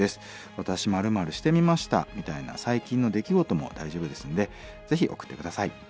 「わたし○○してみました」みたいな最近の出来事も大丈夫ですのでぜひ送って下さい。